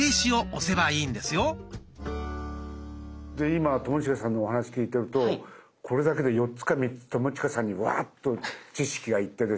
今友近さんのお話聞いてるとこれだけで４つか３つ友近さんにわっと知識が行ってですね